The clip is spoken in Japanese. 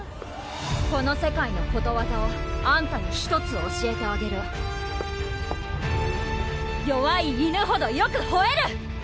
この世界のことわざをあんたに１つ教えてあげる「弱い犬ほどよくほえる」！